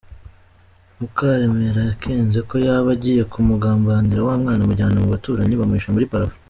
Mukaremera yakenze ko yaba agiye kumugambanira, wa mwana amujyana mu baturanyi bamuhisha muri parafo.